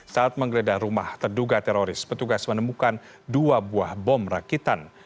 saat menggeledah rumah terduga teroris petugas menemukan dua buah bom rakitan